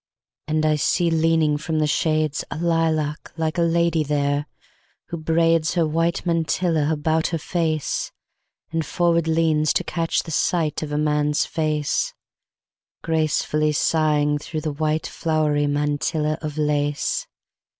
And I see leaning from the shadesA lilac like a lady there, who braidsHer white mantilla aboutHer face, and forward leans to catch the sightOf a man's face, Gracefully sighing through the whiteFlowery mantilla of lace.